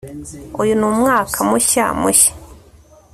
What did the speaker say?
uyu ni umwaka mushya mushya